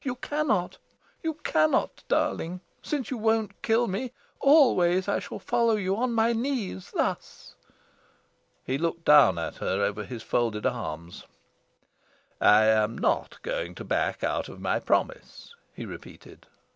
You cannot, darling since you won't kill me. Always I shall follow you on my knees, thus." He looked down at her over his folded arms, "I am not going to back out of my promise," he repeated.